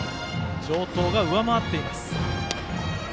城東が上回っています。